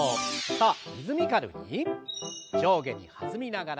さあ、リズミカルに上下に弾みながら。